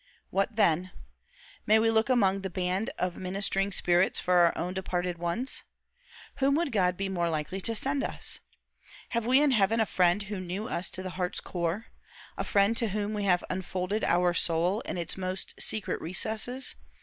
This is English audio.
What then? May we look among the band of ministering spirits for our own departed ones? Whom would God be more likely to send us? Have we in heaven a friend who knew us to the heart's core? a friend to whom we have unfolded our soul in its most secret recesses?